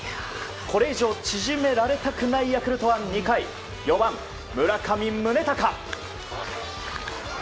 これ以上縮められたくないヤクルトは２回、４番、村上宗隆。